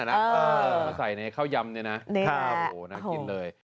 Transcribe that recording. เออเออมาใส่ในข้าวยำเนี้ยนะนี่แหละโหนักกินเลย